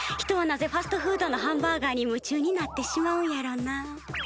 人はなぜファストフードのハンバーガーに夢中になってしまうんやろな。